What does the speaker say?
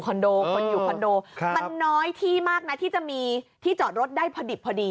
โดคนอยู่คอนโดมันน้อยที่มากนะที่จะมีที่จอดรถได้พอดิบพอดี